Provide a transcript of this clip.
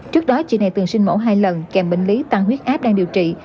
trước đó chị này từng sinh mẫu hai lần kèm bệnh lý tăng huyết áp đang điều trị